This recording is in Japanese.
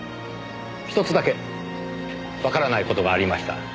ひとつだけわからない事がありました。